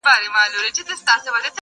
زموږ کاروان ته د هنر سپيني ډېوې سه.